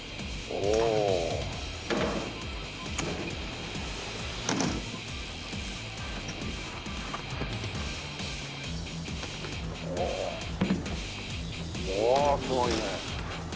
おおっすごいね。